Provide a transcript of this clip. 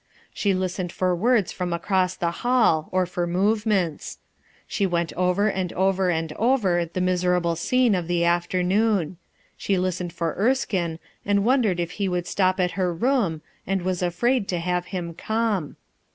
She listened for words from across the hall, or for movements* She went over and over and over the miserable scene of the afternoon ; she listened for Erskinc, and wondered if he would stop at her room, and was afraid to have him come.